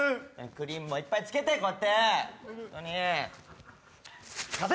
クリームもいっぱいつけてこうやってホントに貸せ！